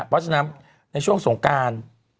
เพราะฉะนั้นในช่วงสงการ